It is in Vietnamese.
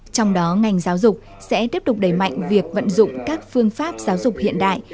trong đó ngành giáo dục sẽ tiếp tục đẩy mạnh việc vận dụng các phương pháp giáo dục hiện đại